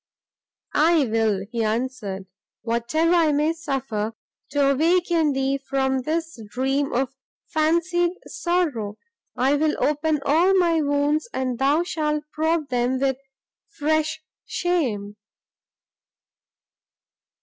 "I will," he answered, "whatever I may suffer: to awaken thee from this dream of fancied sorrow, I will open all my wounds, and thou shalt probe them with fresh shame."